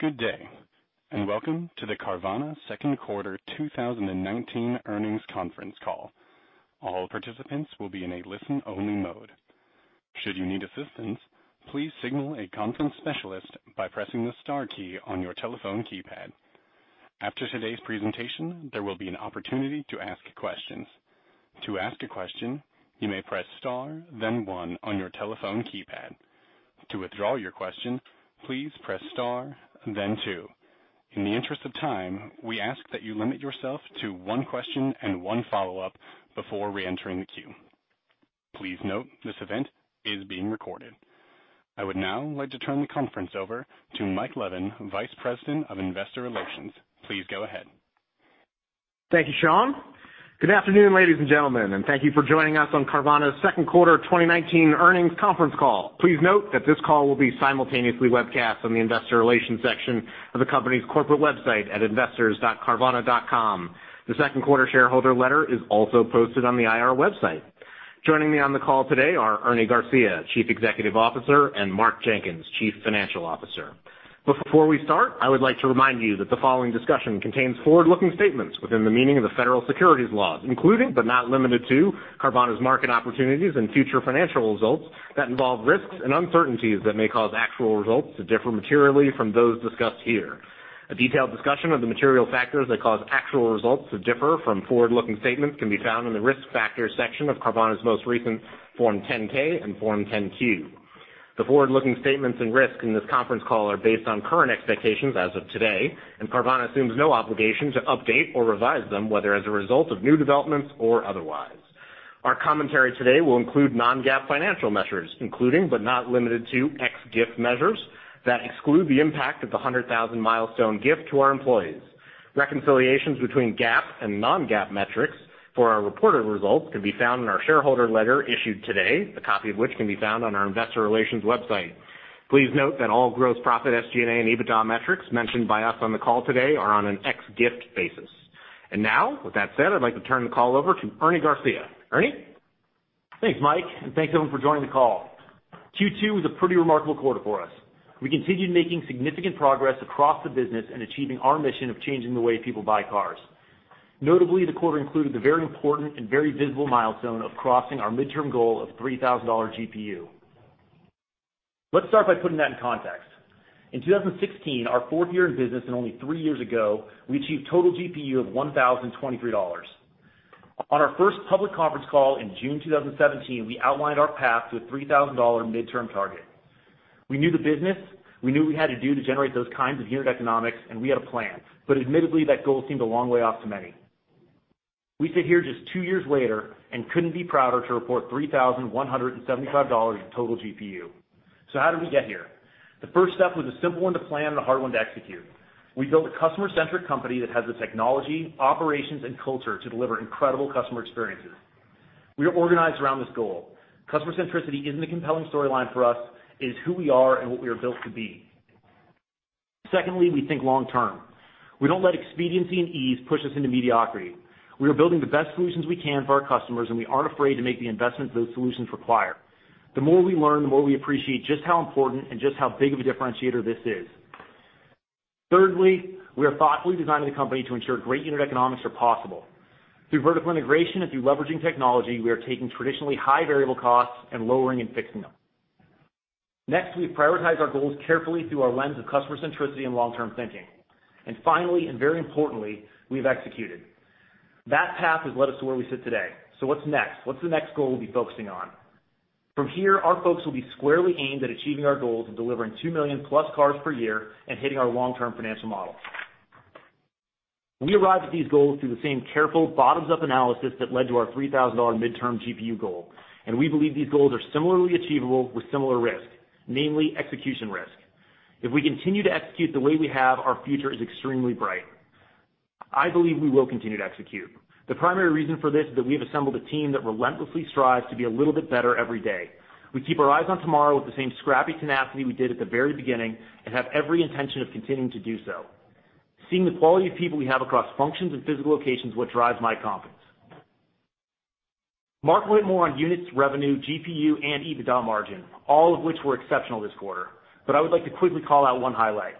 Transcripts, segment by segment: Good day, welcome to the Carvana second quarter 2019 earnings conference call. All participants will be in a listen-only mode. Should you need assistance, please signal a conference specialist by pressing the star key on your telephone keypad. After today's presentation, there will be an opportunity to ask questions. To ask a question, you may press star, then one on your telephone keypad. To withdraw your question, please press star, then two. In the interest of time, we ask that you limit yourself to one question and one follow-up before reentering the queue. Please note this event is being recorded. I would now like to turn the conference over to Michael Levin, Vice President of Investor Relations. Please go ahead. Thank you, Sean. Good afternoon, ladies and gentlemen, and thank you for joining us on Carvana's second quarter 2019 earnings conference call. Please note that this call will be simultaneously webcast on the investor relations section of the company's corporate website at investors.carvana.com. The second quarter shareholder letter is also posted on the IR website. Joining me on the call today are Ernie Garcia, Chief Executive Officer, and Mark Jenkins, Chief Financial Officer. Before we start, I would like to remind you that the following discussion contains forward-looking statements within the meaning of the federal securities laws, including, but not limited to, Carvana's market opportunities and future financial results that involve risks and uncertainties that may cause actual results to differ materially from those discussed here. A detailed discussion of the material factors that cause actual results to differ from forward-looking statements can be found in the Risk Factors section of Carvana's most recent Form 10-K and Form 10-Q. The forward-looking statements and risks in this conference call are based on current expectations as of today, and Carvana assumes no obligation to update or revise them, whether as a result of new developments or otherwise. Our commentary today will include non-GAAP financial measures, including, but not limited to, ex-Gift measures that exclude the impact of the 100,000 milestone gift to our employees. Reconciliations between GAAP and non-GAAP metrics for our reported results can be found in our shareholder letter issued today, a copy of which can be found on our investor relations website. Please note that all gross profit, SG&A, and EBITDA metrics mentioned by us on the call today are on an ex-Gift basis. Now, with that said, I'd like to turn the call over to Ernie Garcia. Ernie? Thanks, Mike, thanks, everyone, for joining the call. Q2 was a pretty remarkable quarter for us. We continued making significant progress across the business in achieving our mission of changing the way people buy cars. Notably, the quarter included the very important and very visible milestone of crossing our midterm goal of $3,000 GPU. Let's start by putting that in context. In 2016, our fourth year in business, only three years ago, we achieved total GPU of $1,023. On our first public conference call in June 2017, we outlined our path to a $3,000 midterm target. We knew the business, we knew we had to do to generate those kinds of unit economics, we had a plan. Admittedly, that goal seemed a long way off to many. We sit here just two years later couldn't be prouder to report $3,175 in total GPU. How did we get here? The first step was a simple one to plan and a hard one to execute. We built a customer-centric company that has the technology, operations, and culture to deliver incredible customer experiences. We are organized around this goal. Customer centricity isn't a compelling storyline for us, it is who we are and what we are built to be. Secondly, we think long term. We don't let expediency and ease push us into mediocrity. We are building the best solutions we can for our customers, and we aren't afraid to make the investments those solutions require. The more we learn, the more we appreciate just how important and just how big of a differentiator this is. Thirdly, we are thoughtfully designing the company to ensure great unit economics are possible. Through vertical integration and through leveraging technology, we are taking traditionally high variable costs and lowering and fixing them. Next, we prioritize our goals carefully through our lens of customer centricity and long-term thinking. Finally, and very importantly, we've executed. That path has led us to where we sit today. What's next? What's the next goal we'll be focusing on? From here, our folks will be squarely aimed at achieving our goals of delivering 2 million-plus cars per year and hitting our long-term financial models. We arrived at these goals through the same careful bottoms-up analysis that led to our $3,000 midterm GPU goal, we believe these goals are similarly achievable with similar risk, namely execution risk. If we continue to execute the way we have, our future is extremely bright. I believe we will continue to execute. The primary reason for this is that we have assembled a team that relentlessly strives to be a little bit better every day. We keep our eyes on tomorrow with the same scrappy tenacity we did at the very beginning and have every intention of continuing to do so. Seeing the quality of people we have across functions and physical locations is what drives my confidence. Mark went more on units, revenue, GPU, and EBITDA margin, all of which were exceptional this quarter. I would like to quickly call out one highlight.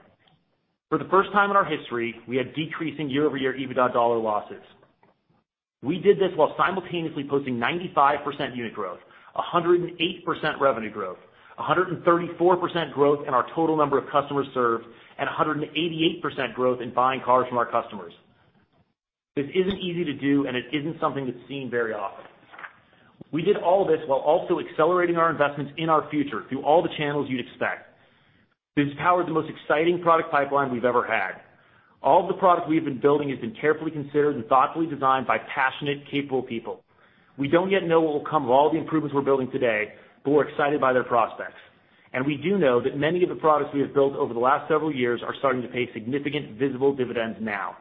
For the first time in our history, we had decreasing year-over-year EBITDA dollar losses. We did this while simultaneously posting 95% unit growth, 108% revenue growth, 134% growth in our total number of customers served, and 188% growth in buying cars from our customers. This isn't easy to do, and it isn't something that's seen very often. We did all this while also accelerating our investments in our future through all the channels you'd expect. This powered the most exciting product pipeline we've ever had. All the product we have been building has been carefully considered and thoughtfully designed by passionate, capable people. We don't yet know what will come of all the improvements we're building today, but we're excited by their prospects. We do know that many of the products we have built over the last several years are starting to pay significant, visible dividends now.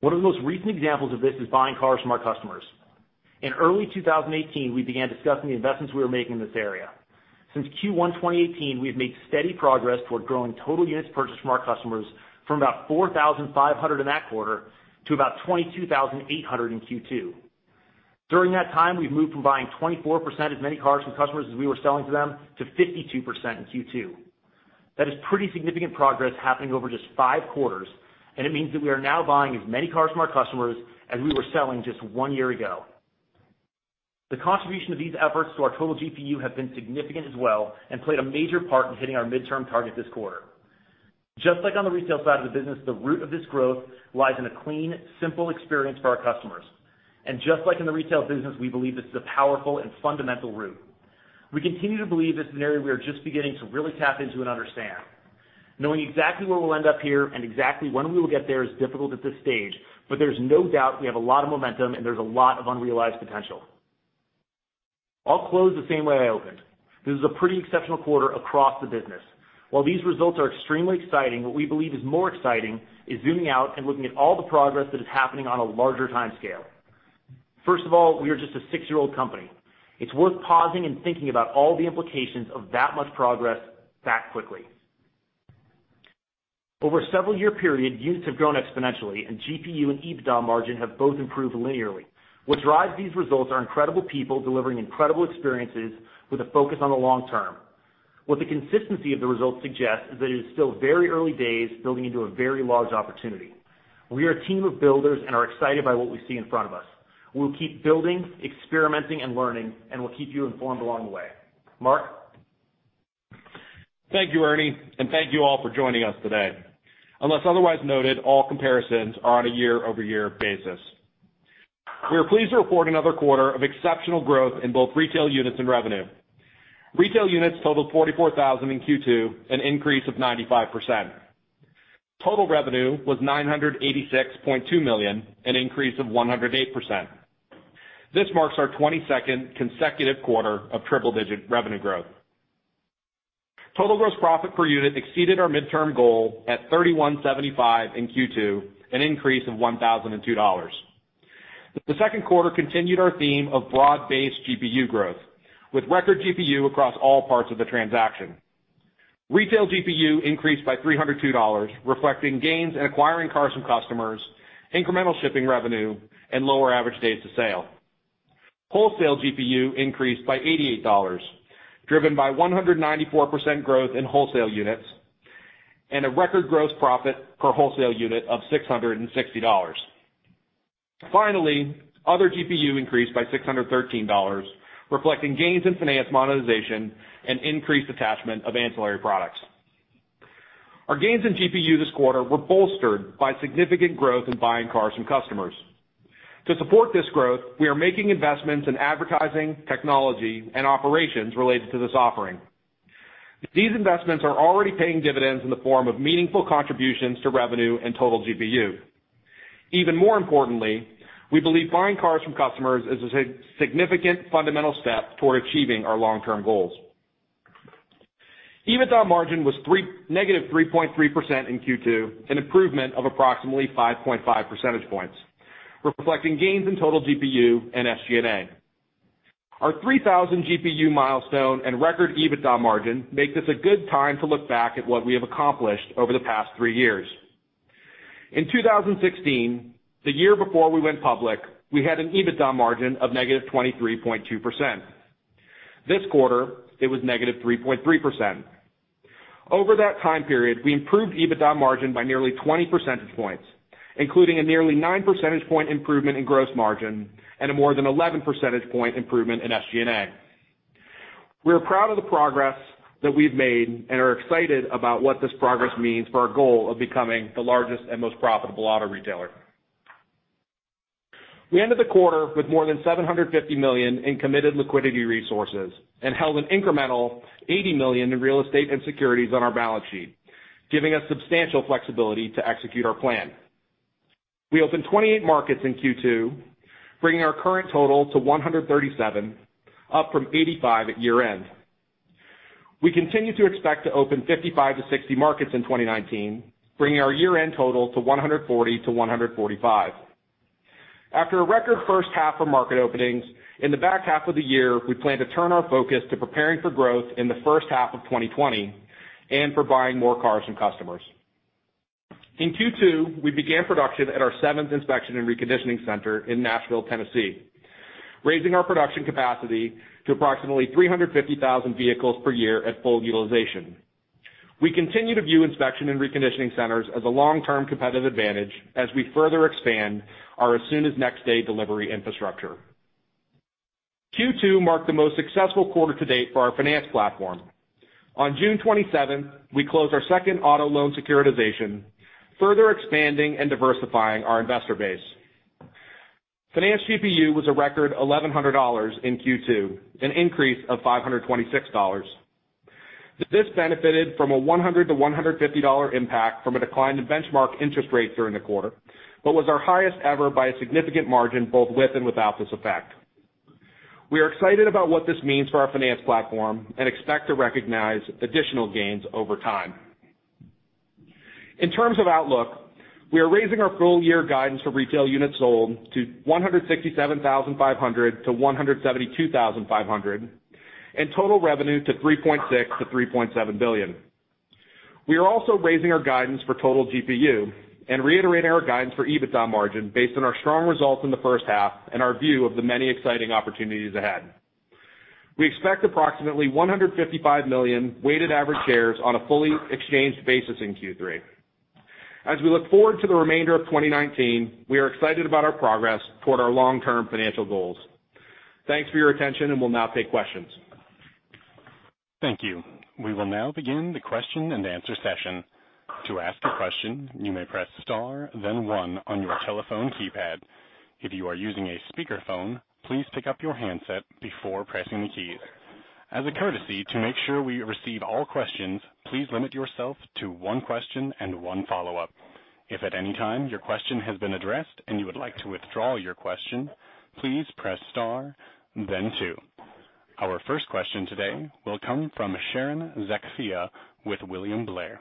One of the most recent examples of this is buying cars from our customers. In early 2018, we began discussing the investments we were making in this area. Since Q1 2018, we have made steady progress toward growing total units purchased from our customers from about 4,500 in that quarter to about 22,800 in Q2. During that time, we've moved from buying 24% as many cars from customers as we were selling to them to 52% in Q2. That is pretty significant progress happening over just five quarters, and it means that we are now buying as many cars from our customers as we were selling just one year ago. The contribution of these efforts to our total GPU have been significant as well and played a major part in hitting our midterm target this quarter. Just like on the retail side of the business, the root of this growth lies in a clean, simple experience for our customers. Just like in the retail business, we believe this is a powerful and fundamental root. We continue to believe this is an area we are just beginning to really tap into and understand. Knowing exactly where we'll end up here and exactly when we will get there is difficult at this stage, but there's no doubt we have a lot of momentum and there's a lot of unrealized potential. I'll close the same way I opened. This is a pretty exceptional quarter across the business. While these results are extremely exciting, what we believe is more exciting is zooming out and looking at all the progress that is happening on a larger time scale. First of all, we are just a six-year-old company. It's worth pausing and thinking about all the implications of that much progress that quickly. Over a several year period, units have grown exponentially and GPU and EBITDA margin have both improved linearly. What drives these results are incredible people delivering incredible experiences with a focus on the long term. What the consistency of the results suggest is that it is still very early days building into a very large opportunity. We are a team of builders and are excited by what we see in front of us. We'll keep building, experimenting, and learning, and we'll keep you informed along the way. Mark? Thank you, Ernie, and thank you all for joining us today. Unless otherwise noted, all comparisons are on a year-over-year basis. We are pleased to report another quarter of exceptional growth in both retail units and revenue. Retail units totaled 44,000 in Q2, an increase of 95%. Total revenue was $986.2 million, an increase of 108%. This marks our 22nd consecutive quarter of triple-digit revenue growth. Total gross profit per unit exceeded our midterm goal at $3,175 in Q2, an increase of $1,002. The second quarter continued our theme of broad-based GPU growth, with record GPU across all parts of the transaction. Retail GPU increased by $302, reflecting gains in acquiring cars from customers, incremental shipping revenue, and lower average days to sale. Wholesale GPU increased by $88, driven by 194% growth in wholesale units, and a record gross profit per wholesale unit of $660. Finally, other GPU increased by $613, reflecting gains in finance monetization and increased attachment of ancillary products. Our gains in GPU this quarter were bolstered by significant growth in buying cars from customers. To support this growth, we are making investments in advertising, technology, and operations related to this offering. These investments are already paying dividends in the form of meaningful contributions to revenue and total GPU. Even more importantly, we believe buying cars from customers is a significant fundamental step toward achieving our long-term goals. EBITDA margin was -3.3% in Q2, an improvement of approximately 5.5 percentage points, reflecting gains in total GPU and SG&A. Our 3,000 GPU milestone and record EBITDA margin make this a good time to look back at what we have accomplished over the past three years. In 2016, the year before we went public, we had an EBITDA margin of -23.2%. This quarter, it was -3.3%. Over that time period, we improved EBITDA margin by nearly 20 percentage points, including a nearly nine percentage point improvement in gross margin and a more than 11 percentage point improvement in SG&A. We are proud of the progress that we've made and are excited about what this progress means for our goal of becoming the largest and most profitable auto retailer. We ended the quarter with more than $750 million in committed liquidity resources and held an incremental $80 million in real estate and securities on our balance sheet, giving us substantial flexibility to execute our plan. We opened 28 markets in Q2, bringing our current total to 137, up from 85 at year-end. We continue to expect to open 55 to 60 markets in 2019, bringing our year-end total to 140 to 145. After a record first half of market openings, in the back half of the year, we plan to turn our focus to preparing for growth in the first half of 2020 and for buying more cars from customers. In Q2, we began production at our seventh inspection and reconditioning center in Nashville, Tennessee, raising our production capacity to approximately 350,000 vehicles per year at full utilization. We continue to view inspection and reconditioning centers as a long-term competitive advantage as we further expand our as soon as next day delivery infrastructure. Q2 marked the most successful quarter to date for our finance platform. On June 27th, we closed our second auto loan securitization, further expanding and diversifying our investor base. Finance GPU was a record $1,100 in Q2, an increase of $526. This benefited from a $100-$150 impact from a decline in benchmark interest rates during the quarter, but was our highest ever by a significant margin, both with and without this effect. We are excited about what this means for our finance platform and expect to recognize additional gains over time. In terms of outlook, we are raising our full-year guidance for retail units sold to 167,500-172,500, and total revenue to $3.6 billion-$3.7 billion. We are also raising our guidance for total GPU and reiterating our guidance for EBITDA margin based on our strong results in the first half and our view of the many exciting opportunities ahead. We expect approximately 155 million weighted average shares on a fully exchanged basis in Q3. As we look forward to the remainder of 2019, we are excited about our progress toward our long-term financial goals. Thanks for your attention, and we'll now take questions. Thank you. We will now begin the question and answer session. To ask a question, you may press star, then one on your telephone keypad. If you are using a speakerphone, please pick up your handset before pressing the keys. As a courtesy to make sure we receive all questions, please limit yourself to one question and one follow-up. If at any time your question has been addressed and you would like to withdraw your question, please press star, then two. Our first question today will come from Sharon Zackfia with William Blair.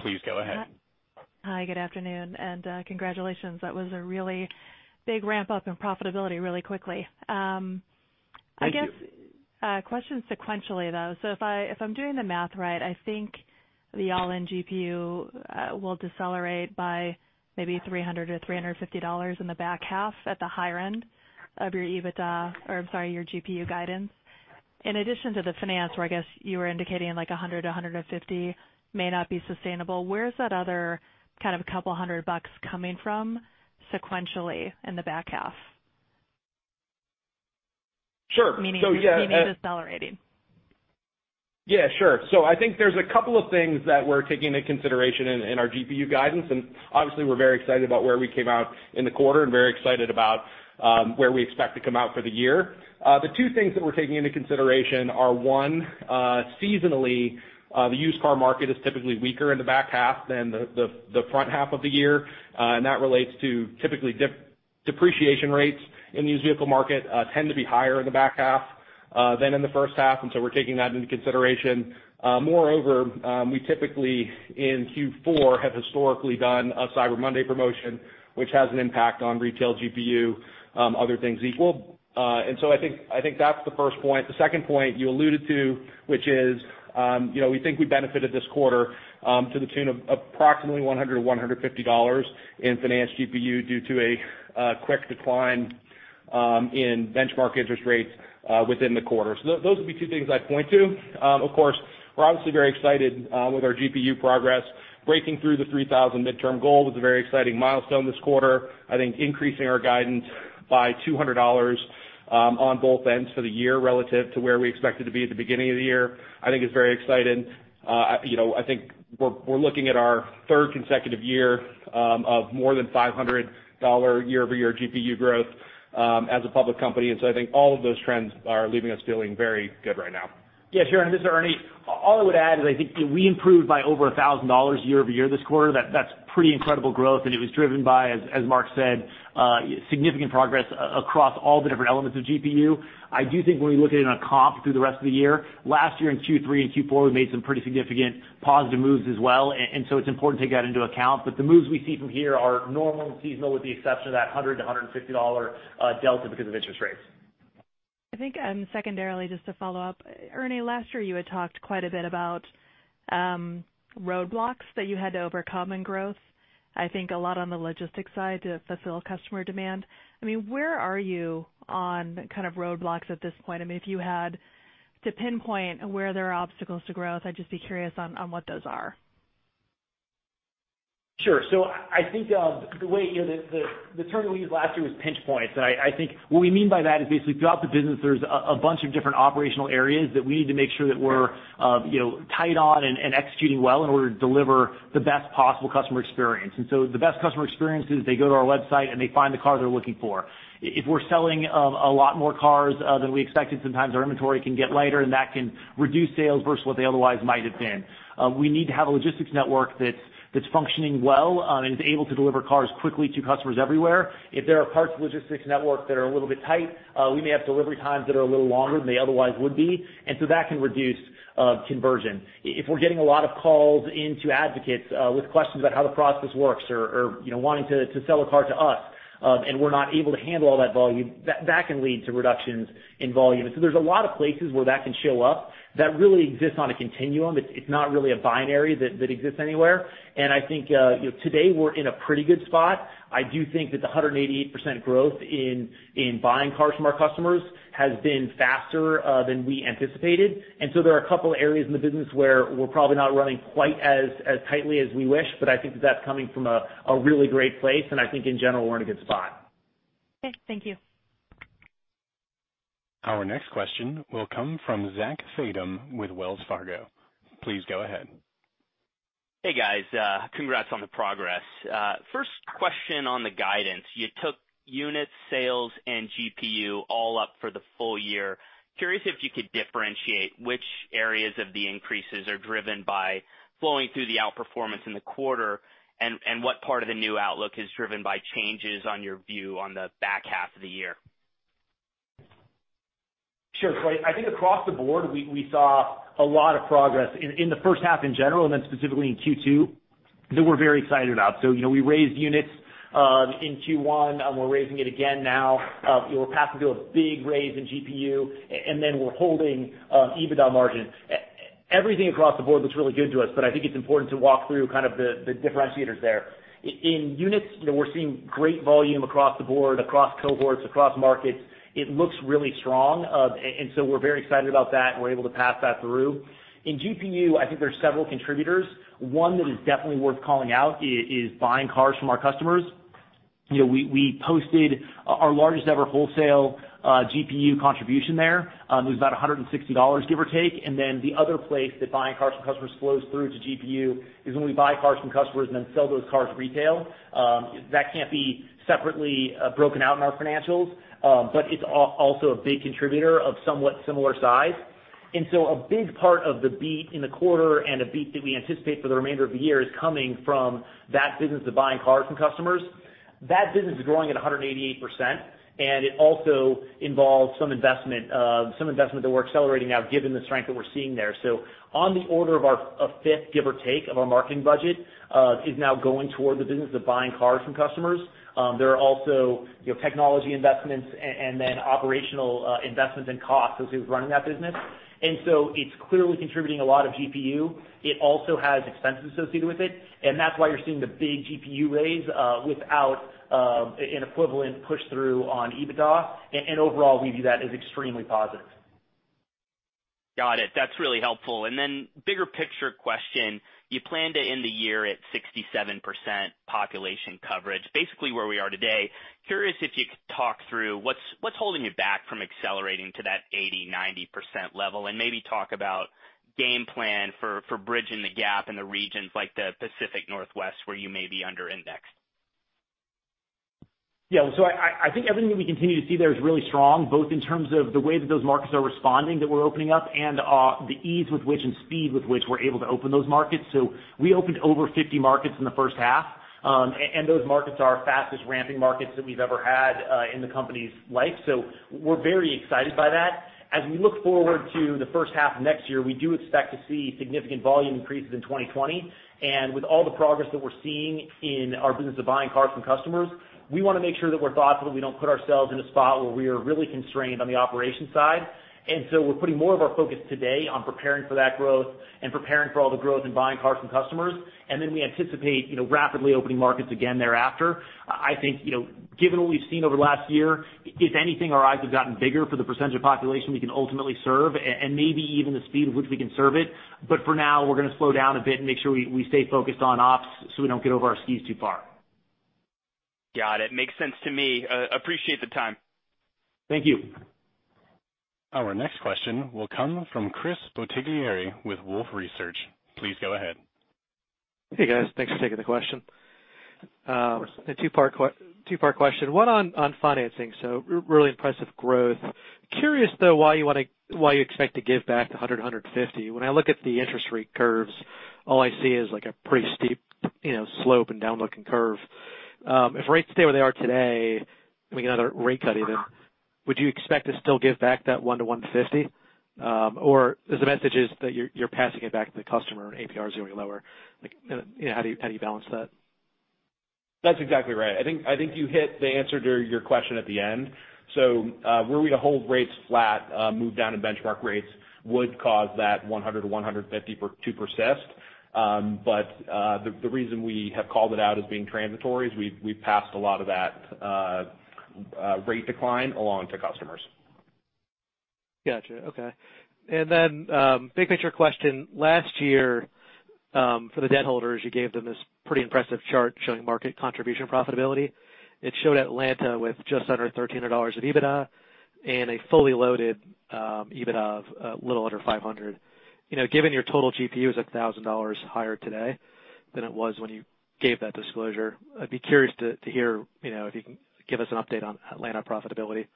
Please go ahead. Hi, good afternoon, and congratulations. That was a really big ramp-up in profitability really quickly. Thank you. I guess, question sequentially, though. If I'm doing the math right, I think the all-in GPU will decelerate by maybe $300-$350 in the back half at the higher end of your GPU guidance. In addition to the finance, where I guess you were indicating like $100-$150 may not be sustainable, where is that other couple hundred bucks coming from sequentially in the back half? Sure. Meaning decelerating. Yeah, sure. I think there's a couple of things that we're taking into consideration in our GPU guidance, and obviously we're very excited about where we came out in the quarter and very excited about where we expect to come out for the year. The two things that we're taking into consideration are, one, seasonally, the used car market is typically weaker in the back half than the front half of the year. That relates to typically depreciation rates in the used vehicle market tend to be higher in the back half than in the first half, we're taking that into consideration. Moreover, we typically in Q4 have historically done a Cyber Monday promotion, which has an impact on retail GPU, other things equal. I think that's the first point. The second point you alluded to, which is we think we benefited this quarter to the tune of approximately $100-$150 in Finance GPU due to a quick decline in benchmark interest rates within the quarter. Those would be two things I'd point to. Of course, we're obviously very excited with our GPU progress. Breaking through the 3,000 midterm goal was a very exciting milestone this quarter. I think increasing our guidance by $200 on both ends for the year relative to where we expected to be at the beginning of the year, I think is very exciting. I think we're looking at our third consecutive year of more than $500 year-over-year GPU growth as a public company, and so I think all of those trends are leaving us feeling very good right now. Sharon, this is Ernie. All I would add is I think we improved by over $1,000 year-over-year this quarter. That's pretty incredible growth, and it was driven by, as Mark said, significant progress across all the different elements of GPU. I do think when we look at it on comp through the rest of the year, last year in Q3 and Q4, we made some pretty significant positive moves as well. It's important to take that into account. The moves we see from here are normal and seasonal with the exception of that $100-$150 delta because of interest rates. I think secondarily, just to follow up, Ernie, last year you had talked quite a bit about roadblocks that you had to overcome in growth. I think a lot on the logistics side to fulfill customer demand. Where are you on roadblocks at this point? If you had to pinpoint where there are obstacles to growth, I'd just be curious on what those are. Sure. I think the term that we used last year was pinch points. I think what we mean by that is basically throughout the business, there's a bunch of different operational areas that we need to make sure that we're tight on and executing well in order to deliver the best possible customer experience. The best customer experience is they go to our website, and they find the car they're looking for. If we're selling a lot more cars than we expected, sometimes our inventory can get lighter, and that can reduce sales versus what they otherwise might have been. We need to have a logistics network that's functioning well and is able to deliver cars quickly to customers everywhere. If there are parts of the logistics network that are a little bit tight, we may have delivery times that are a little longer than they otherwise would be, and so that can reduce conversion. If we're getting a lot of calls into advocates with questions about how the process works or wanting to sell a car to us, and we're not able to handle all that volume, that can lead to reductions in volume. There's a lot of places where that can show up that really exists on a continuum. It's not really a binary that exists anywhere. I think today we're in a pretty good spot. I do think that the 188% growth in buying cars from our customers has been faster than we anticipated. There are a couple of areas in the business where we're probably not running quite as tightly as we wish, I think that that's coming from a really great place. I think in general, we're in a good spot. Okay. Thank you. Our next question will come from Zachary Fadem with Wells Fargo. Please go ahead. Hey, guys. Congrats on the progress. First question on the guidance. You took unit sales and GPU all up for the full year. Curious if you could differentiate which areas of the increases are driven by flowing through the outperformance in the quarter, and what part of the new outlook is driven by changes on your view on the back half of the year? Sure. I think across the board, we saw a lot of progress in the first half in general and then specifically in Q2. That we're very excited about. We raised units in Q1, we're raising it again now. We're passing through a big raise in GPU, we're holding EBITDA margin. Everything across the board looks really good to us, I think it's important to walk through the differentiators there. In units, we're seeing great volume across the board, across cohorts, across markets. It looks really strong. We're very excited about that, we're able to pass that through. In GPU, I think there's several contributors. One that is definitely worth calling out is buying cars from our customers. We posted our largest-ever Wholesale GPU contribution there. It was about $160, give or take. The other place that buying cars from customers flows through to GPU is when we buy cars from customers and then sell those cars retail. That can't be separately broken out in our financials. It's also a big contributor of somewhat similar size. A big part of the beat in the quarter and a beat that we anticipate for the remainder of the year is coming from that business of buying cars from customers. That business is growing at 188%, and it also involves some investment that we're accelerating now given the strength that we're seeing there. On the order of a fifth, give or take, of our marketing budget, is now going toward the business of buying cars from customers. There are also technology investments and then operational investments and costs associated with running that business. It's clearly contributing a lot of GPU. It also has expenses associated with it, and that's why you're seeing the big GPU raise, without an equivalent push-through on EBITDA. Overall, we view that as extremely positive. Got it. That's really helpful. Bigger picture question, you plan to end the year at 67% population coverage, basically where we are today. Curious if you could talk through what's holding you back from accelerating to that 80%, 90% level, and maybe talk about game plan for bridging the gap in the regions like the Pacific Northwest where you may be under indexed. Yeah. I think everything that we continue to see there is really strong, both in terms of the way that those markets are responding that we're opening up and the ease with which and speed with which we're able to open those markets. We opened over 50 markets in the first half. Those markets are our fastest-ramping markets that we've ever had, in the company's life. We're very excited by that. As we look forward to the first half of next year, we do expect to see significant volume increases in 2020. With all the progress that we're seeing in our business of buying cars from customers, we want to make sure that we're thoughtful, that we don't put ourselves in a spot where we are really constrained on the operations side. We're putting more of our focus today on preparing for that growth and preparing for all the growth in buying cars from customers. We anticipate rapidly opening markets again thereafter. I think, given what we've seen over the last year, if anything, our eyes have gotten bigger for the percentage of population we can ultimately serve and maybe even the speed with which we can serve it. For now, we're going to slow down a bit and make sure we stay focused on ops so we don't get over our skis too far. Got it. Makes sense to me. Appreciate the time. Thank you. Our next question will come from Chris Bottiglieri with Wolfe Research. Please go ahead. Hey, guys. Thanks for taking the question. Of course. A two-part question. One on financing. Really impressive growth. Curious, though, why you expect to give back the 100-150. When I look at the interest rate curves, all I see is a pretty steep slope and down-looking curve. If rates stay where they are today, and we get another rate cut even, would you expect to still give back that 1-150? The message is that you're passing it back to the customer and APR is going lower. How do you balance that? That's exactly right. I think you hit the answer to your question at the end. Were we to hold rates flat, a move down in benchmark rates would cause that 100-150 to persist. The reason we have called it out as being transitory is we've passed a lot of that rate decline along to customers. Gotcha. Okay. Big picture question. Last year, for the debt holders, you gave them this pretty impressive chart showing market contribution profitability. It showed Atlanta with just under $1,300 of EBITDA and a fully loaded EBITDA of a little under $500. Given your total GPU is $1,000 higher today than it was when you gave that disclosure, I'd be curious to hear if you can give us an update on Atlanta profitability,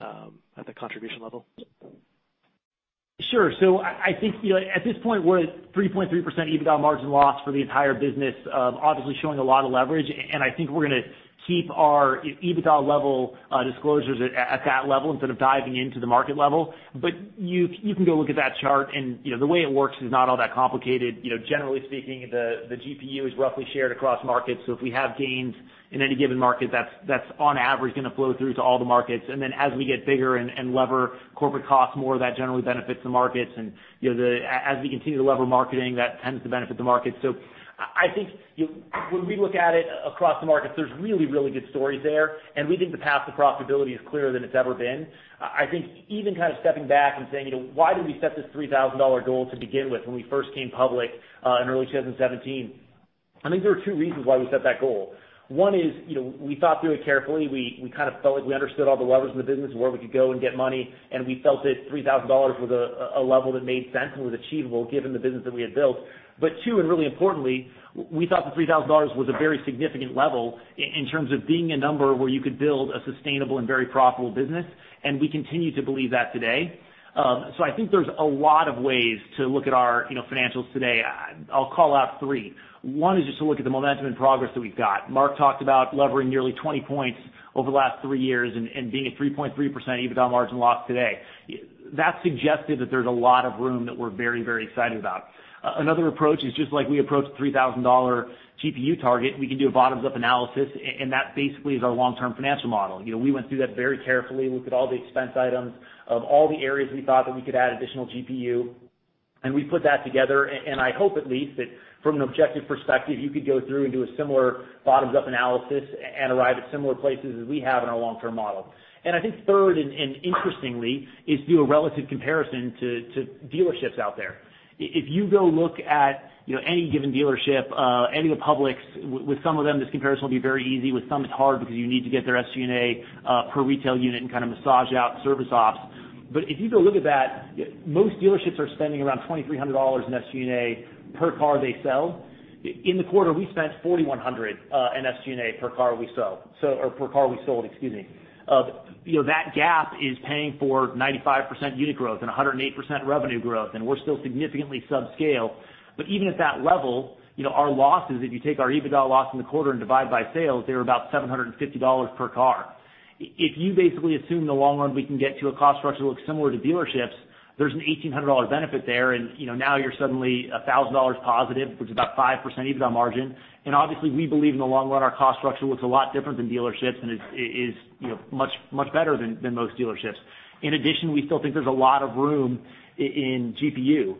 at the contribution level. Sure. I think at this point, we're at 3.3% EBITDA margin loss for the entire business, obviously showing a lot of leverage, and I think we're going to keep our EBITDA level disclosures at that level instead of diving into the market level. You can go look at that chart, and the way it works is not all that complicated. Generally speaking, the GPU is roughly shared across markets, so if we have gains in any given market, that's on average going to flow through to all the markets. Then as we get bigger and lever corporate costs more, that generally benefits the markets. As we continue to lever marketing, that tends to benefit the markets. I think when we look at it across the markets, there's really good stories there, and we think the path to profitability is clearer than it's ever been. I think even stepping back and saying, why did we set this $3,000 goal to begin with when we first came public in early 2017? I think there were two reasons why we set that goal. One is we thought through it carefully. We felt like we understood all the levers in the business and where we could go and get money, and we felt that $3,000 was a level that made sense and was achievable given the business that we had built. Two, and really importantly, we thought the $3,000 was a very significant level in terms of being a number where you could build a sustainable and very profitable business, and we continue to believe that today. I think there's a lot of ways to look at our financials today. I'll call out three. One is just to look at the momentum and progress that we've got. Mark talked about levering nearly 20 points over the last three years and being at 3.3% EBITDA margin loss today. That suggested that there's a lot of room that we're very, very excited about. Another approach is just like we approach the $3,000 GPU target, we can do a bottoms-up analysis, and that basically is our long-term financial model. We went through that very carefully, looked at all the expense items, all the areas we thought that we could add additional GPU. We put that together, and I hope at least that from an objective perspective, you could go through and do a similar bottoms-up analysis and arrive at similar places as we have in our long-term model. I think third, and interestingly, is do a relative comparison to dealerships out there. If you go look at any given dealership, any of the publics, with some of them, this comparison will be very easy. With some, it's hard because you need to get their SG&A per retail unit and kind of massage out service ops. If you go look at that, most dealerships are spending around $2,300 in SG&A per car they sell. In the quarter, we spent $4,100 in SG&A per car we sold. That gap is paying for 95% unit growth and 108% revenue growth, and we're still significantly sub-scale. Even at that level, our losses, if you take our EBITDA loss in the quarter and divide by sales, they were about $750 per car. If you basically assume in the long run we can get to a cost structure that looks similar to dealerships, there's an $1,800 benefit there, and now you're suddenly $1,000 positive, which is about 5% EBITDA margin. Obviously, we believe in the long run, our cost structure looks a lot different than dealerships, and it is much better than most dealerships. In addition, we still think there's a lot of room in GPU.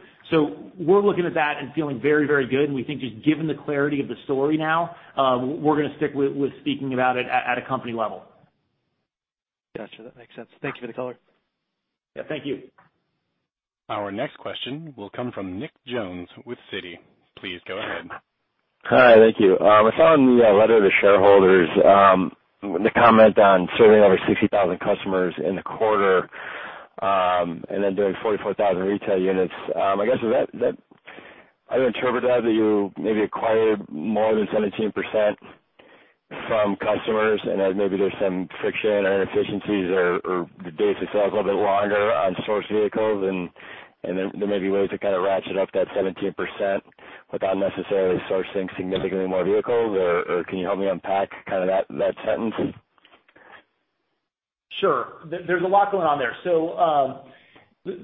We're looking at that and feeling very, very good, and we think just given the clarity of the story now, we're going to stick with speaking about it at a company level. Got you. That makes sense. Thank you for the color. Yeah. Thank you. Our next question will come from Nick Jones with Citi. Please go ahead. Hi. Thank you. I found in the letter to shareholders, the comment on serving over 60,000 customers in the quarter, and then doing 44,000 retail units. I guess, I interpret it that you maybe acquired more than 17% from customers, and that maybe there's some friction or inefficiencies or the days to sell is a little bit longer on sourced vehicles, and there may be ways to kind of ratchet up that 17% without necessarily sourcing significantly more vehicles? Or can you help me unpack that sentence? Sure. There's a lot going on there.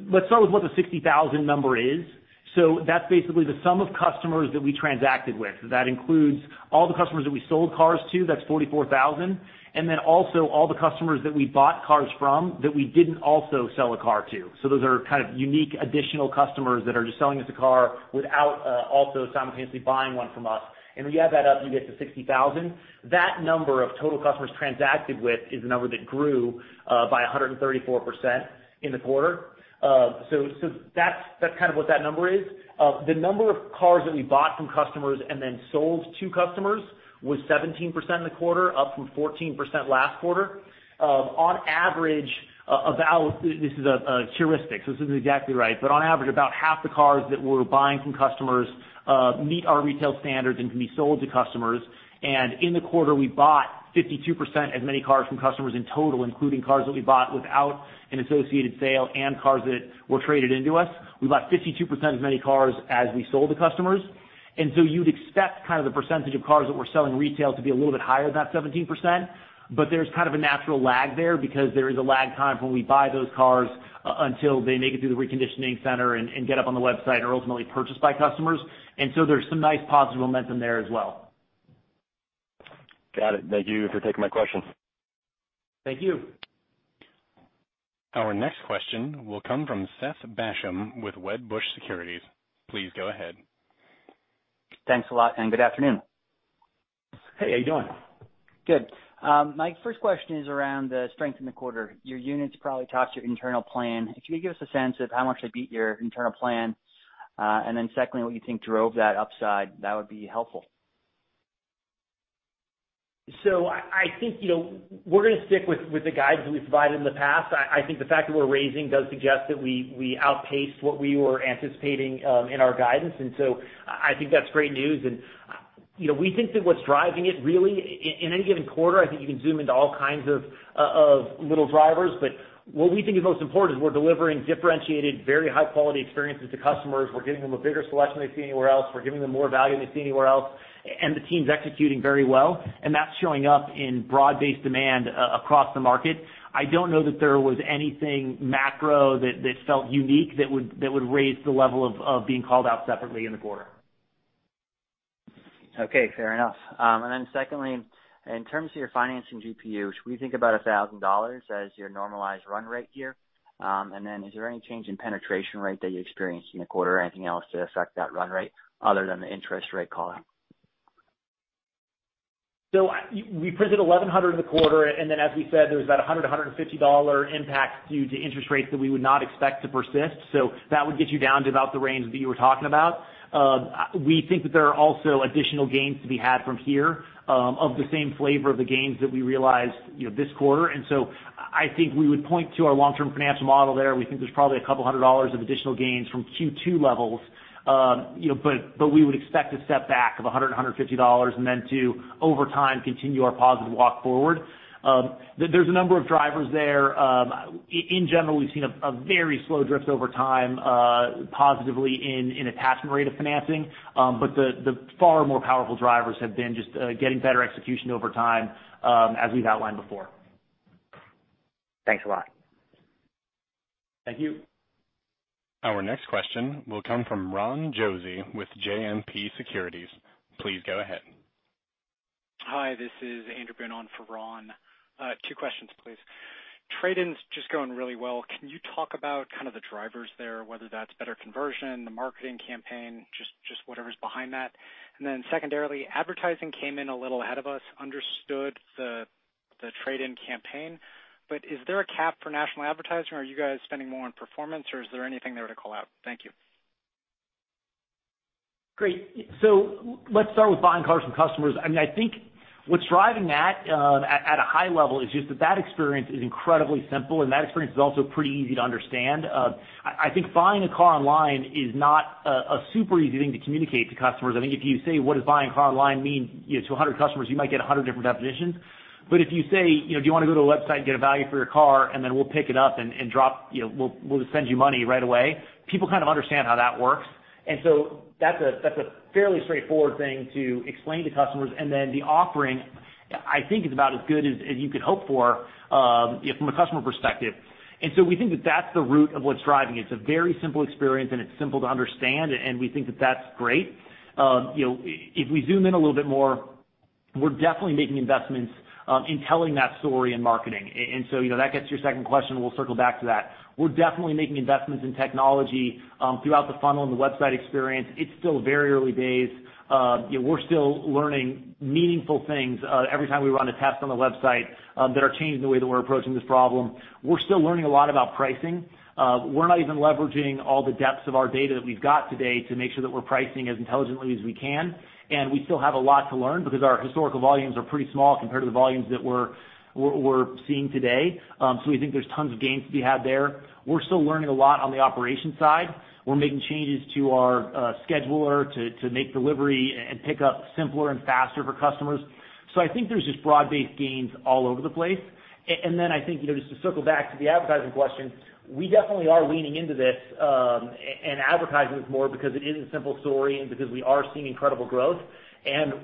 Let's start with what the 60,000 number is. That's basically the sum of customers that we transacted with. That includes all the customers that we sold cars to, that's 44,000, and then also all the customers that we bought cars from that we didn't also sell a car to. Those are kind of unique additional customers that are just selling us a car without also simultaneously buying one from us. When you add that up, you get to 60,000. That number of total customers transacted with is the number that grew by 134% in the quarter. That's kind of what that number is. The number of cars that we bought from customers and then sold to customers was 17% in the quarter, up from 14% last quarter. On average, this is a heuristic, so this isn't exactly right, but on average, about half the cars that we're buying from customers meet our retail standards and can be sold to customers. In the quarter, we bought 52% as many cars from customers in total, including cars that we bought without an associated sale and cars that were traded into us. We bought 52% as many cars as we sold to customers. You'd expect the percentage of cars that we're selling retail to be a little bit higher than that 17%, but there's kind of a natural lag there because there is a lag time from when we buy those cars until they make it through the reconditioning center and get up on the website, or ultimately purchased by customers. There's some nice positive momentum there as well. Got it. Thank you for taking my question. Thank you. Our next question will come from Seth Basham with Wedbush Securities. Please go ahead. Thanks a lot, and good afternoon. Hey, how you doing? Good. My first question is around the strength in the quarter. Your units probably topped your internal plan. Can you give us a sense of how much they beat your internal plan? Secondly, what you think drove that upside? That would be helpful. I think, we're going to stick with the guidance that we've provided in the past. I think the fact that we're raising does suggest that we outpaced what we were anticipating in our guidance. I think that's great news. We think that what's driving it really in any given quarter, I think you can zoom into all kinds of little drivers, but what we think is most important is we're delivering differentiated, very high-quality experiences to customers. We're giving them a bigger selection they see anywhere else. We're giving them more value they see anywhere else. The team's executing very well. That's showing up in broad-based demand across the market. I don't know that there was anything macro that felt unique that would raise the level of being called out separately in the quarter. Okay. Fair enough. Secondly, in terms of your Finance GPU, should we think about $1,000 as your normalized run rate here? Is there any change in penetration rate that you experienced in the quarter or anything else to affect that run rate other than the interest rate call-out? We printed $1,100 in the quarter, and then as we said, there was about $100, $150 impact due to interest rates that we would not expect to persist. That would get you down to about the range that you were talking about. We think that there are also additional gains to be had from here of the same flavor of the gains that we realized this quarter. I think we would point to our long-term financial model there. We think there's probably a couple hundred dollars of additional gains from Q2 levels. We would expect a step back of $100, $150, and then to, over time, continue our positive walk forward. There's a number of drivers there. In general, we've seen a very slow drift over time, positively in attachment rate of financing. The far more powerful drivers have been just getting better execution over time, as we've outlined before. Thanks a lot. Thank you. Our next question will come from Ron Josey with JMP Securities. Please go ahead. Hi, this is Andrew Boone for Ron. Two questions please. Trade-in's just going really well. Can you talk about the drivers there, whether that's better conversion, the marketing campaign, just whatever's behind that? Secondarily, advertising came in a little ahead of us. Understood the trade-in campaign, is there a cap for national advertising or are you guys spending more on performance or is there anything there to call out? Thank you. Great. Let's start with buying cars from customers. I think what's driving that at a high level is just that experience is incredibly simple, and that experience is also pretty easy to understand. I think buying a car online is not a super easy thing to communicate to customers. If you say, what does buying a car online mean to 100 customers, you might get 100 different definitions. If you say, "Do you want to go to the website and get a value for your car and then we'll pick it up and we'll just send you money right away," people understand how that works. That's a fairly straightforward thing to explain to customers, and then the offering, I think is about as good as you could hope for from a customer perspective. We think that's the root of what's driving it. It's a very simple experience, and it's simple to understand, and we think that that's great. If we zoom in a little bit more, we're definitely making investments in telling that story in marketing. That gets to your second question, and we'll circle back to that. We're definitely making investments in technology throughout the funnel and the website experience. It's still very early days. We're still learning meaningful things every time we run a test on the website that are changing the way that we're approaching this problem. We're still learning a lot about pricing. We're not even leveraging all the depths of our data that we've got today to make sure that we're pricing as intelligently as we can. We still have a lot to learn because our historical volumes are pretty small compared to the volumes that we're seeing today. We think there's tons of gains to be had there. We're still learning a lot on the operations side. We're making changes to our scheduler to make delivery and pickup simpler and faster for customers. I think there's just broad-based gains all over the place. I think, just to circle back to the advertising question, we definitely are leaning into this, and advertising is more because it is a simple story and because we are seeing incredible growth.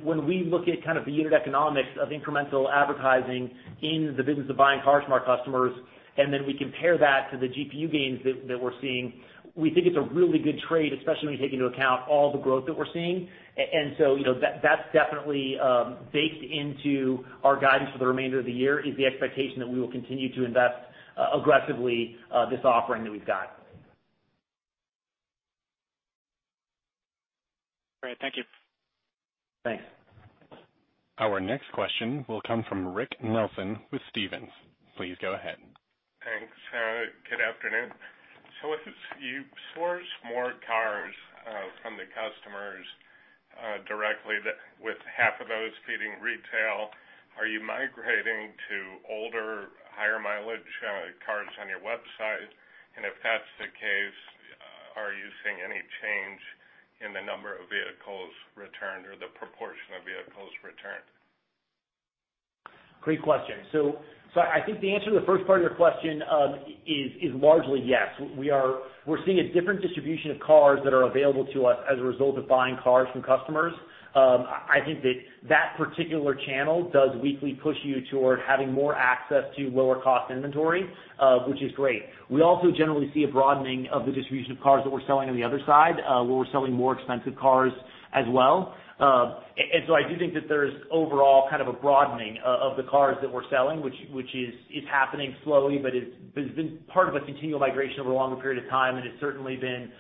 When we look at the unit economics of incremental advertising in the business of buying cars from our customers, and then we compare that to the GPU gains that we're seeing, we think it's a really good trade, especially when you take into account all the growth that we're seeing. That's definitely baked into our guidance for the remainder of the year, is the expectation that we will continue to invest aggressively this offering that we've got. Great. Thank you. Thanks. Our next question will come from Rick Nelson with Stephens. Please go ahead. Thanks. Good afternoon. As you source more cars from the customers directly, with half of those feeding retail, are you migrating to older, higher mileage cars on your website? If that's the case, are you seeing any change in the number of vehicles returned or the proportion of vehicles returned? Great question. I think the answer to the first part of your question is largely yes. We're seeing a different distribution of cars that are available to us as a result of buying cars from customers. I think that that particular channel does weakly push you toward having more access to lower cost inventory, which is great. We also generally see a broadening of the distribution of cars that we're selling on the other side, where we're selling more expensive cars as well. I do think that there's overall a broadening of the cars that we're selling, which is happening slowly, but has been part of a continual migration over a longer period of time, and it's certainly been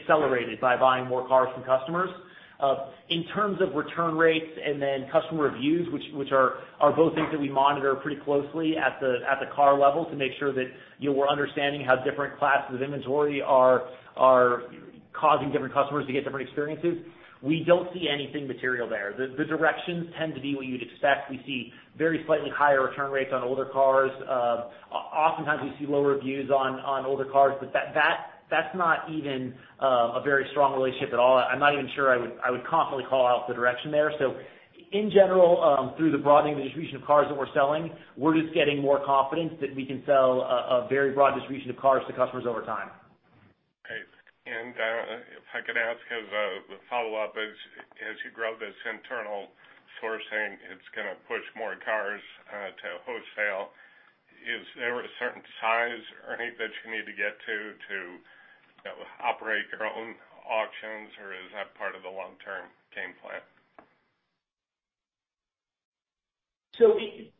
accelerated by buying more cars from customers. In terms of return rates and then customer reviews, which are both things that we monitor pretty closely at the car level to make sure that we're understanding how different classes of inventory are causing different customers to get different experiences. We don't see anything material there. The directions tend to be what you'd expect. We see very slightly higher return rates on older cars. Oftentimes we see lower reviews on older cars, but that's not even a very strong relationship at all. I'm not even sure I would confidently call out the direction there. In general, through the broadening of the distribution of cars that we're selling, we're just getting more confidence that we can sell a very broad distribution of cars to customers over time. Great. If I could ask as a follow-up, as you grow this internal sourcing, it's going to push more cars to wholesale. Is there a certain size or height that you need to get to operate your own auctions, or is that part of the long-term game plan?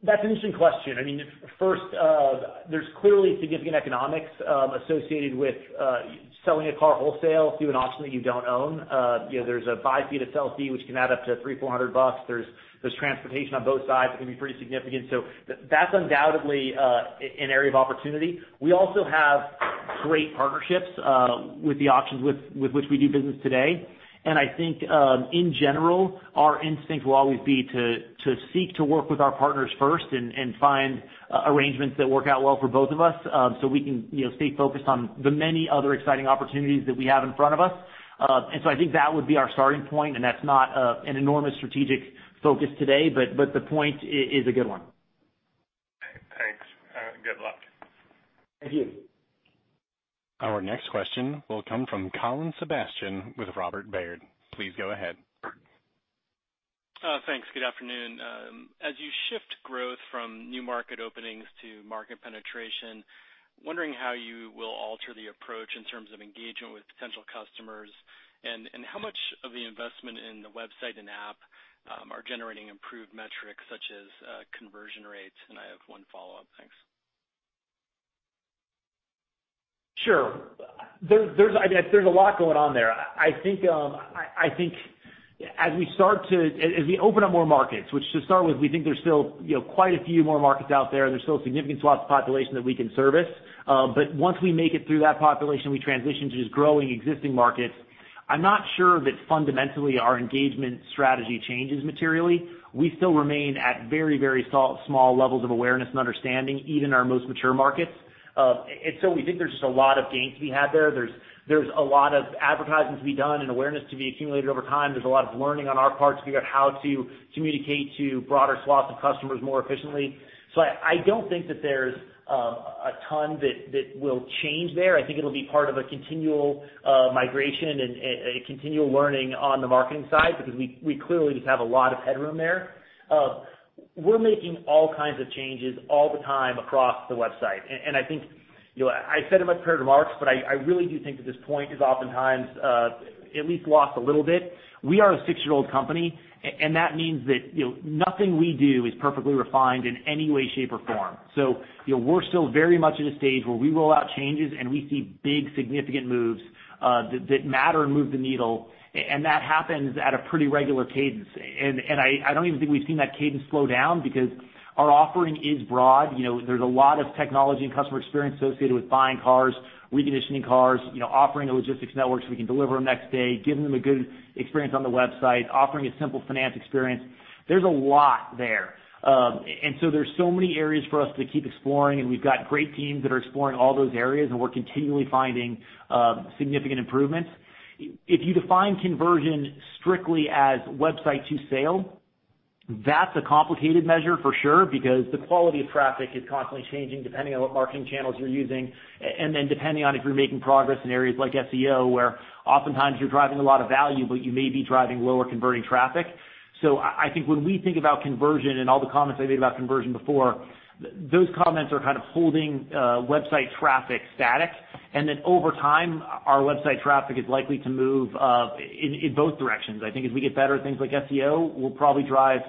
That's an interesting question. First, there's clearly significant economics associated with selling a car wholesale through an auction that you don't own. There's a buy fee and a sell fee, which can add up to $300, $400. There's transportation on both sides that can be pretty significant. That's undoubtedly an area of opportunity. We also have great partnerships with the auctions with which we do business today. I think, in general, our instinct will always be to seek to work with our partners first and find arrangements that work out well for both of us, so we can stay focused on the many other exciting opportunities that we have in front of us. I think that would be our starting point, and that's not an enormous strategic focus today, but the point is a good one. Thanks. Good luck. Thank you. Our next question will come from Colin Sebastian with Robert Baird. Please go ahead. Thanks. Good afternoon. As you shift growth from new market openings to market penetration. Wondering how you will alter the approach in terms of engagement with potential customers, and how much of the investment in the website and app are generating improved metrics such as conversion rates? I have one follow-up. Thanks. Sure. There's a lot going on there. I think as we open up more markets, which to start with, we think there's still quite a few more markets out there. There's still significant swaths of population that we can service. Once we make it through that population, we transition to just growing existing markets. I'm not sure that fundamentally our engagement strategy changes materially. We still remain at very small levels of awareness and understanding, even in our most mature markets. We think there's just a lot of gains to be had there. There's a lot of advertising to be done and awareness to be accumulated over time. There's a lot of learning on our part to figure out how to communicate to broader swaths of customers more efficiently. I don't think that there's a ton that will change there. I think it'll be part of a continual migration and a continual learning on the marketing side because we clearly just have a lot of headroom there. We're making all kinds of changes all the time across the website. I think, I said in my prepared remarks, but I really do think that this point is oftentimes at least lost a little bit. We are a six-year-old company, and that means that nothing we do is perfectly refined in any way, shape, or form. We're still very much at a stage where we roll out changes, and we see big significant moves that matter and move the needle, and that happens at a pretty regular cadence. I don't even think we've seen that cadence slow down because our offering is broad. There's a lot of technology and customer experience associated with buying cars, reconditioning cars, offering a logistics network so we can deliver them next day, giving them a good experience on the website, offering a simple finance experience. There's a lot there. There's so many areas for us to keep exploring, and we've got great teams that are exploring all those areas, and we're continually finding significant improvements. If you define conversion strictly as website to sale, that's a complicated measure for sure, because the quality of traffic is constantly changing depending on what marketing channels you're using, and then depending on if you're making progress in areas like SEO, where oftentimes you're driving a lot of value, but you may be driving lower converting traffic. I think when we think about conversion and all the comments I made about conversion before, those comments are kind of holding website traffic static. Over time, our website traffic is likely to move in both directions. As we get better at things like SEO, we'll probably drive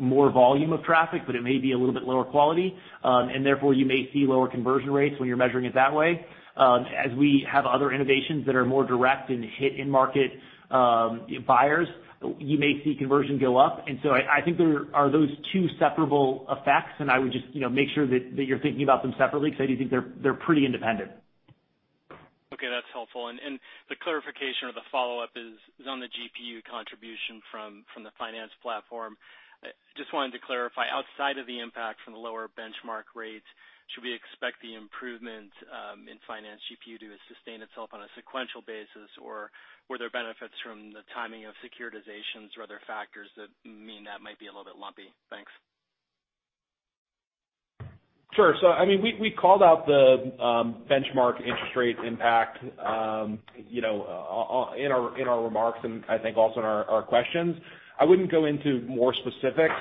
more volume of traffic, but it may be a little bit lower quality, and therefore you may see lower conversion rates when you're measuring it that way. As we have other innovations that are more direct and hit in-market buyers, you may see conversion go up. I think there are those two separable effects, and I would just make sure that you're thinking about them separately because I do think they're pretty independent. Okay, that's helpful. The clarification or the follow-up is on the GPU contribution from the finance platform. Just wanted to clarify, outside of the impact from the lower benchmark rates, should we expect the improvement in finance GPU to sustain itself on a sequential basis? Were there benefits from the timing of securitizations or other factors that mean that might be a little bit lumpy? Thanks. Sure. We called out the benchmark interest rate impact in our remarks and I think also in our questions. I wouldn't go into more specifics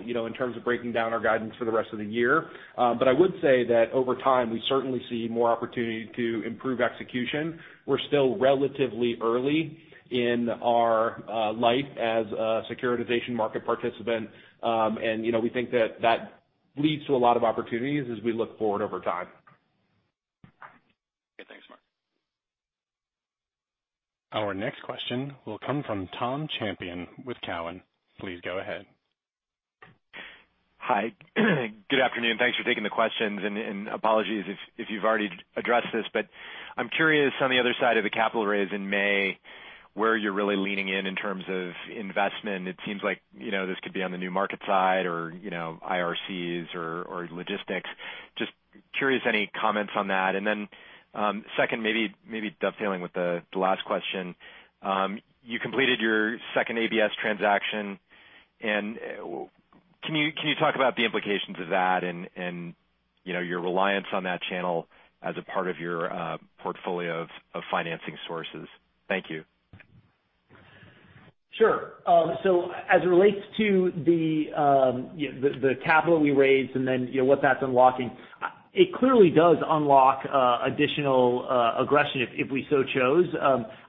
in terms of breaking down our guidance for the rest of the year. I would say that over time, we certainly see more opportunity to improve execution. We're still relatively early in our life as a securitization market participant. We think that leads to a lot of opportunities as we look forward over time. Okay. Thanks, Mark. Our next question will come from Tom Champion with Cowen. Please go ahead. Hi. Good afternoon. Thanks for taking the questions. Apologies if you've already addressed this, but I'm curious on the other side of the capital raise in May, where you're really leaning in terms of investment. It seems like this could be on the new market side or IRCs or logistics. Just curious, any comments on that? Second, maybe dovetailing with the last question. You completed your second ABS transaction. Can you talk about the implications of that and your reliance on that channel as a part of your portfolio of financing sources? Thank you. Sure. As it relates to the capital we raised and what that's unlocking, it clearly does unlock additional aggression if we so chose.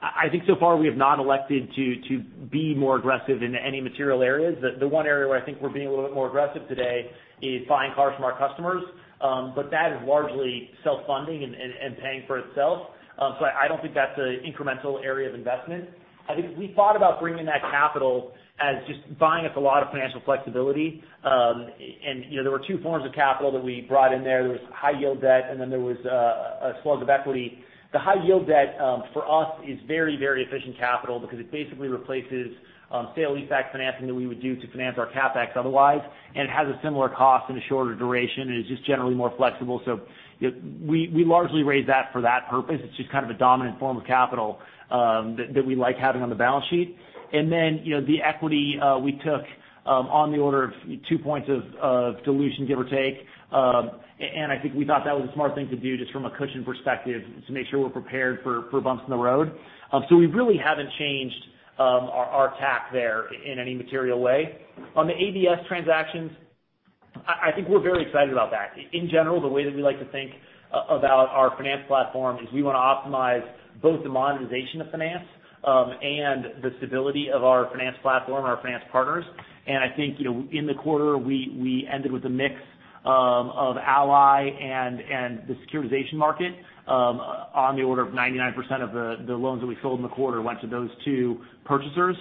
I think so far we have not elected to be more aggressive in any material areas. The one area where I think we're being a little bit more aggressive today is buying cars from our customers. That is largely self-funding and paying for itself. I don't think that's an incremental area of investment. I think we thought about bringing that capital as just buying us a lot of financial flexibility. There were two forms of capital that we brought in there. There was high-yield debt, there was a slug of equity. The high-yield debt for us is very efficient capital because it basically replaces sale leaseback financing that we would do to finance our CapEx otherwise and has a similar cost and a shorter duration. It's just generally more flexible. We largely raised that for that purpose. It's just kind of a dominant form of capital that we like having on the balance sheet. The equity we took on the order of two points of dilution, give or take. I think we thought that was a smart thing to do just from a cushion perspective to make sure we're prepared for bumps in the road. We really haven't changed our tack there in any material way. On the ABS transactions, I think we're very excited about that. In general, the way that we like to think about our finance platform is we want to optimize both the monetization of finance and the stability of our finance platform, our finance partners. I think, in the quarter, we ended with a mix of Ally and the securitization market on the order of 99% of the loans that we sold in the quarter went to those two purchasers.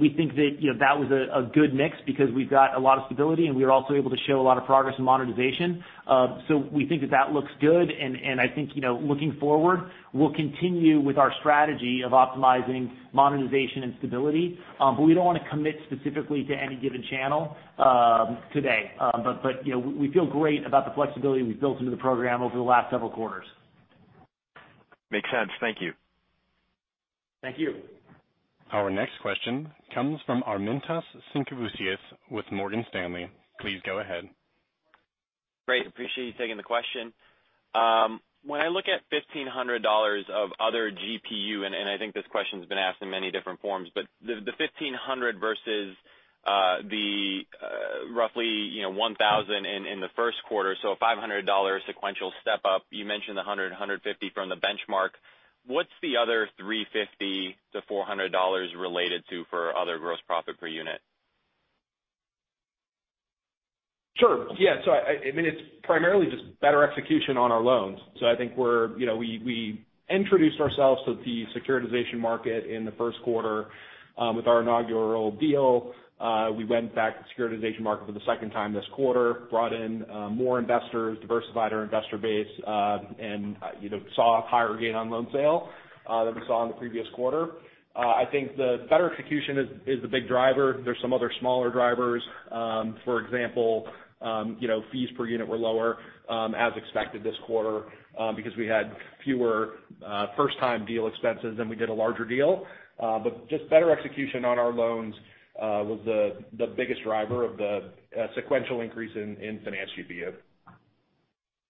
We think that was a good mix because we've got a lot of stability, and we are also able to show a lot of progress in monetization. We think that that looks good, and I think looking forward, we'll continue with our strategy of optimizing monetization and stability. We don't want to commit specifically to any given channel today. We feel great about the flexibility we've built into the program over the last several quarters. Makes sense. Thank you. Thank you. Our next question comes from Armintas Sinkevicius with Morgan Stanley. Please go ahead. Great. Appreciate you taking the question. When I look at $1,500 of other GPU, and I think this question's been asked in many different forms, but the $1,500 versus the roughly $1,000 in the first quarter, so a $500 sequential step up. You mentioned the $100, $150 from the benchmark. What's the other $350-$400 related to for other gross profit per unit? Sure. Yeah. It's primarily just better execution on our loans. I think we introduced ourselves to the securitization market in the first quarter, with our inaugural deal. We went back to the securitization market for the second time this quarter, brought in more investors, diversified our investor base, and saw a higher gain on loan sale than we saw in the previous quarter. I think the better execution is the big driver. There's some other smaller drivers. For example, fees per unit were lower, as expected this quarter, because we had fewer first-time deal expenses than we did a larger deal. Just better execution on our loans was the biggest driver of the sequential increase in finance GPU.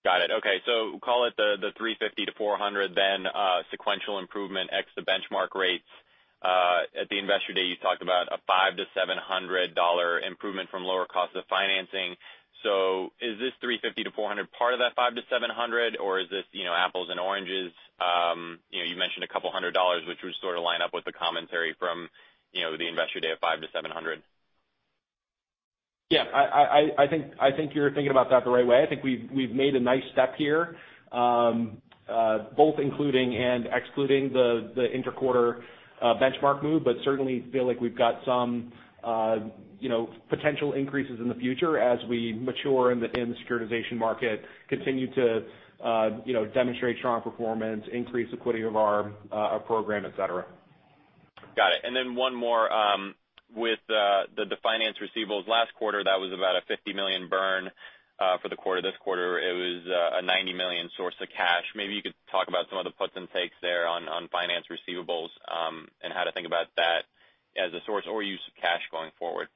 Got it. Okay. Call it the $350-$400 then, sequential improvement, x the benchmark rates. At the Analyst Day, you talked about a $500-$700 improvement from lower cost of financing. Is this $350-$400 part of that $500-$700, or is this apples and oranges? You mentioned a couple hundred dollars, which would sort of line up with the commentary from the Analyst Day of $500-$700. Yeah. I think you're thinking about that the right way. I think we've made a nice step here, both including and excluding the inter-quarter benchmark move, but certainly feel like we've got some potential increases in the future as we mature in the securitization market, continue to demonstrate strong performance, increase liquidity of our program, et cetera. Got it. One more, with the finance receivables last quarter, that was about a $50 million burn for the quarter. This quarter, it was a $90 million source of cash. Maybe you could talk about some of the puts and takes there on finance receivables, and how to think about that as a source or use of cash going forward.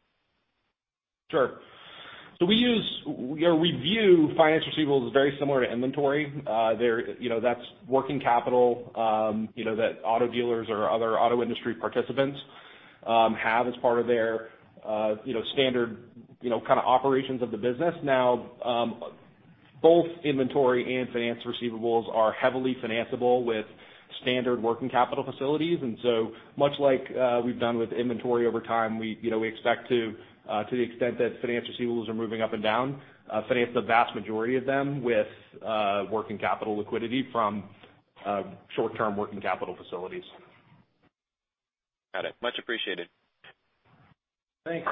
Sure. We review finance receivables very similar to inventory. That's working capital that auto dealers or other auto industry participants have as part of their standard operations of the business. Now, both inventory and finance receivables are heavily financeable with standard working capital facilities. Much like we've done with inventory over time, we expect to the extent that finance receivables are moving up and down, finance the vast majority of them with working capital liquidity from short-term working capital facilities. Got it. Much appreciated. Thanks.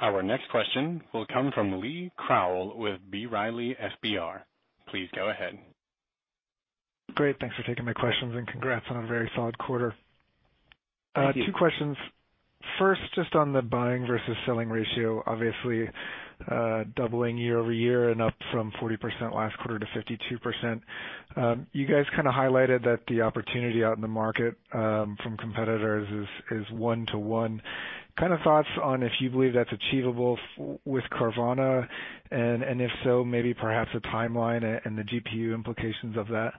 Our next question will come from Lee Krowl with B. Riley FBR. Please go ahead. Great. Thanks for taking my questions, and congrats on a very solid quarter. Thank you. Two questions. First, just on the buying versus selling ratio, obviously, doubling year-over-year and up from 40% last quarter to 52%. You guys highlighted that the opportunity out in the market, from competitors is 1 to 1. Thoughts on if you believe that's achievable with Carvana, and if so, maybe perhaps a timeline and the GPU implications of that?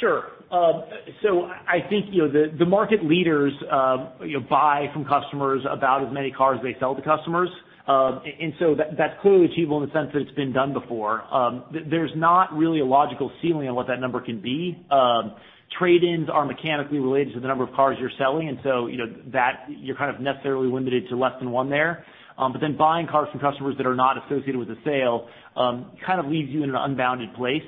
Sure. I think the market leaders buy from customers about as many cars as they sell to customers. That's clearly achievable in the sense that it's been done before. There's not really a logical ceiling on what that number can be. Trade-ins are mechanically related to the number of cars you're selling, and so you're necessarily limited to less than one there. Buying cars from customers that are not associated with the sale, leaves you in an unbounded place.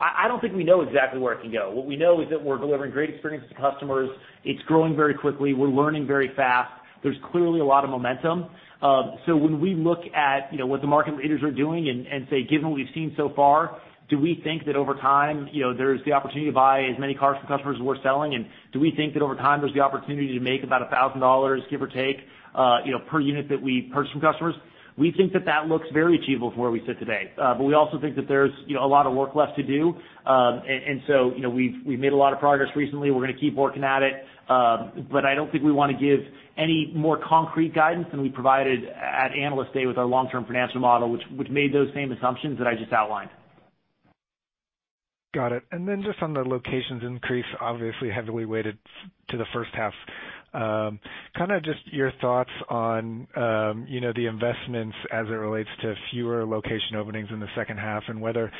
I don't think we know exactly where it can go. What we know is that we're delivering great experiences to customers. It's growing very quickly. We're learning very fast. There's clearly a lot of momentum. When we look at what the market leaders are doing and say, given what we've seen so far, do we think that over time there's the opportunity to buy as many cars from customers as we're selling, and do we think that over time there's the opportunity to make about $1,000, give or take, per unit that we purchase from customers? We think that that looks very achievable from where we sit today. We also think that there's a lot of work left to do. We've made a lot of progress recently. We're going to keep working at it. I don't think we want to give any more concrete guidance than we provided at Analyst Day with our long-term financial model, which made those same assumptions that I just outlined. Got it. Just on the locations increase, obviously heavily weighted to the first half, just your thoughts on the investments as it relates to fewer location openings in the second half and whether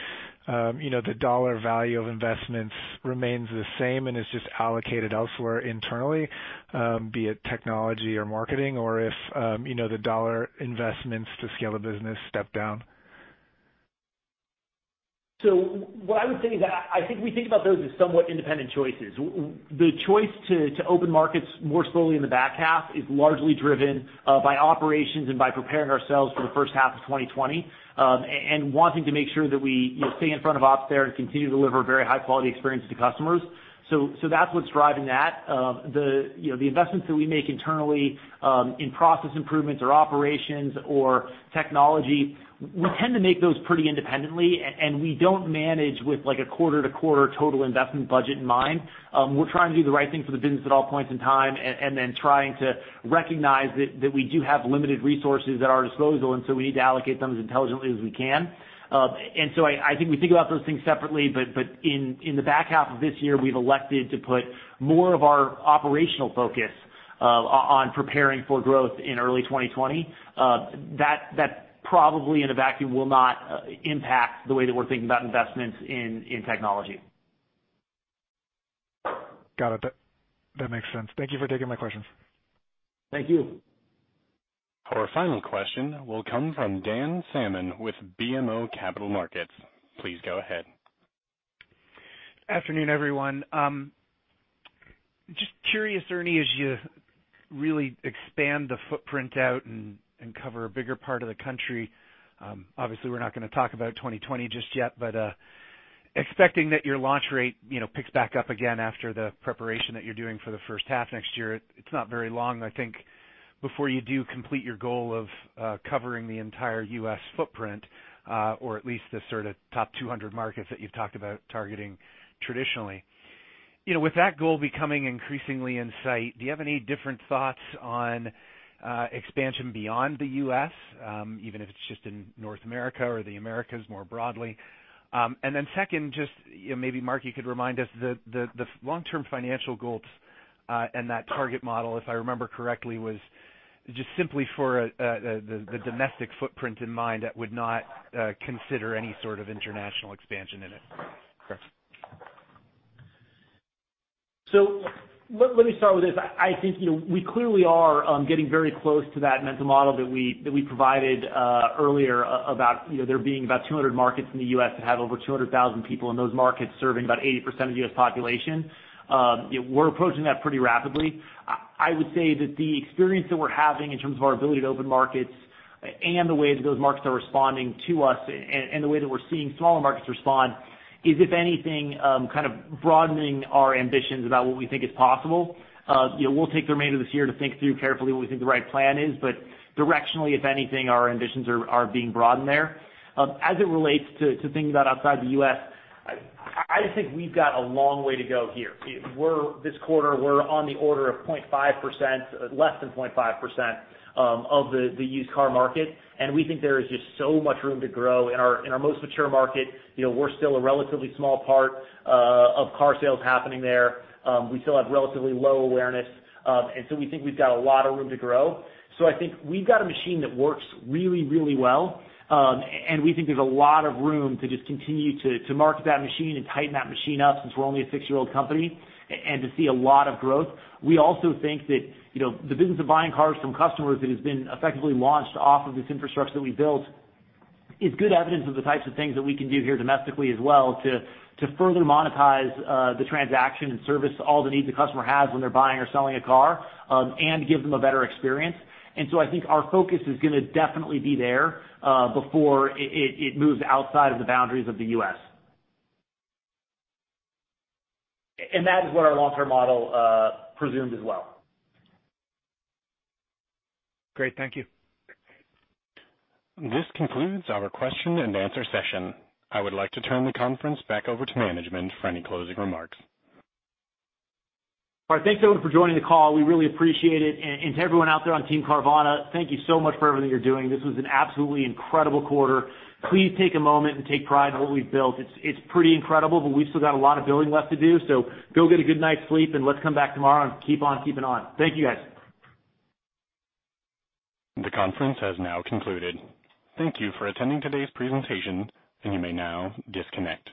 the dollar value of investments remains the same and is just allocated elsewhere internally, be it technology or marketing, or if the dollar investments to scale the business step down? What I would say is that I think we think about those as somewhat independent choices. What the choice to open markets more slowly in the back half is largely driven by operations and by preparing ourselves for the first half of 2020, and wanting to make sure that we stay in front of ops there and continue to deliver a very high-quality experience to customers. That's what's driving that. The investments that we make internally, in process improvements or operations or technology, we tend to make those pretty independently, and we don't manage with a quarter-to-quarter total investment budget in mind. We're trying to do the right thing for the business at all points in time and then trying to recognize that we do have limited resources at our disposal, and so we need to allocate them as intelligently as we can. I think we think about those things separately, but in the back half of this year, we've elected to put more of our operational focus on preparing for growth in early 2020. That probably, in a vacuum, will not impact the way that we're thinking about investments in technology. Got it. That makes sense. Thank you for taking my questions. Thank you. Our final question will come from Dan Salmon with BMO Capital Markets. Please go ahead. Afternoon, everyone. Just curious, Ernie, as you really expand the footprint out and cover a bigger part of the country, obviously we're not going to talk about 2020 just yet, but expecting that your launch rate picks back up again after the preparation that you're doing for the first half next year, it's not very long, I think, before you do complete your goal of covering the entire U.S. footprint, or at least the sort of top 200 markets that you've talked about targeting traditionally. With that goal becoming increasingly in sight, do you have any different thoughts on expansion beyond the U.S., even if it's just in North America or the Americas more broadly? Second, just maybe Mark, you could remind us the long-term financial goals, and that target model, if I remember correctly, was just simply for, the domestic footprint in mind that would not consider any sort of international expansion in it. Let me start with this. I think we clearly are getting very close to that mental model that we provided earlier about there being about 200 markets in the U.S. that have over 200,000 people in those markets, serving about 80% of the U.S. population. We're approaching that pretty rapidly. I would say that the experience that we're having in terms of our ability to open markets and the way that those markets are responding to us and the way that we're seeing smaller markets respond is, if anything, kind of broadening our ambitions about what we think is possible. We'll take the remainder of this year to think through carefully what we think the right plan is. Directionally, if anything, our ambitions are being broadened there. As it relates to thinking about outside the U.S., I think we've got a long way to go here. This quarter, we're on the order of 0.5%, less than 0.5%, of the used car market. We think there is just so much room to grow in our most mature market. We're still a relatively small part of car sales happening there. We still have relatively low awareness. We think we've got a lot of room to grow. I think we've got a machine that works really, really well. We think there's a lot of room to just continue to market that machine and tighten that machine up since we're only a six-year-old company and to see a lot of growth. We also think that the business of buying cars from customers that has been effectively launched off of this infrastructure that we built is good evidence of the types of things that we can do here domestically as well to further monetize the transaction and service all the needs the customer has when they're buying or selling a car, and give them a better experience. I think our focus is going to definitely be there before it moves outside of the boundaries of the U.S. That is what our long-term model presumes as well. Great. Thank you. This concludes our question and answer session. I would like to turn the conference back over to management for any closing remarks. All right, thanks, everyone, for joining the call. We really appreciate it. To everyone out there on team Carvana, thank you so much for everything you're doing. This was an absolutely incredible quarter. Please take a moment and take pride in what we've built. It's pretty incredible, but we've still got a lot of building left to do. Go get a good night's sleep, and let's come back tomorrow and keep on keeping on. Thank you, guys. The conference has now concluded. Thank you for attending today's presentation, and you may now disconnect.